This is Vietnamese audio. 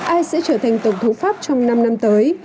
ai sẽ trở thành tổng thống pháp trong năm năm tới